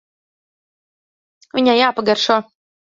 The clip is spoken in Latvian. Viņai jāpagaršo.